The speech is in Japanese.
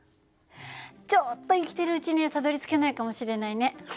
ちょっと生きてるうちにはたどりつけないかもしれないね。